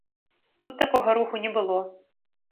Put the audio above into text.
Тут такога руху не было.